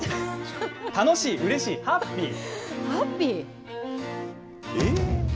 楽しい、うれしい、ハッピー？